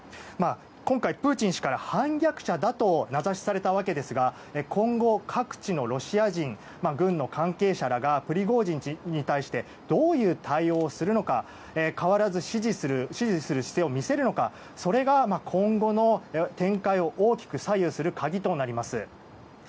今回、プーチン氏から反逆者だと名指しされたわけですが今後、各地のロシア人軍の関係者らがプリゴジン氏に対してどういう対応するのか変わらず支持する姿勢を見せるのかそれが今後の展開を大きく左右する鍵となります。